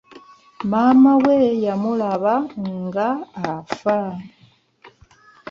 Maama we yamulaba nga afa.